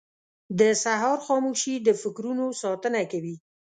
• د سهار خاموشي د فکرونو ساتنه کوي.